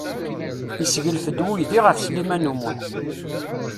Yesseglef-d uydi ɣef Sliman U Muḥ.